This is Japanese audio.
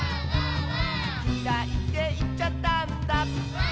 「きらいっていっちゃったんだ」